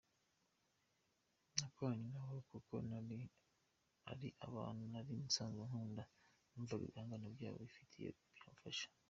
Nakoranye nabo kuko ari abantu nari nsanzwe nkunda, numvaga ibihangano byabo bifite icyo byamfasha.